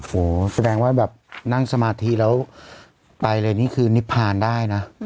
แสดงว่าแบบนั่งสมาธิแล้วไปเลยนี่คือนิพพานได้นะ